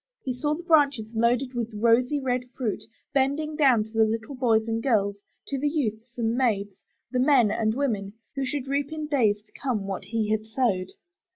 He saw the branches loaded with rosy red fruit, bending down to the little boys and girls, to the youths and maids, the men and women, who should reap in days to come what he had sowed.